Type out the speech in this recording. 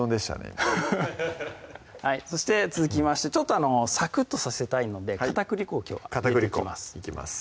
今そして続きましてちょっとサクッとさせたいので片栗粉をきょうは入れていきます